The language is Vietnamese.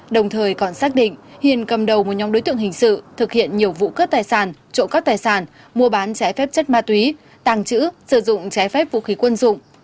đồng thời còn xác định hiền cầm đầu một nhóm đối tượng hình sự thực hiện nhiều vụ cướp tài sản trộm các tài sản mua bán trái phép chất ma túy tàng trữ sử dụng trái phép vũ khí quân dụng